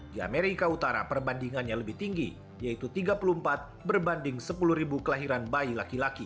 di amerika utara perbandingannya lebih tinggi yaitu tiga puluh empat berbanding sepuluh kelahiran bayi laki laki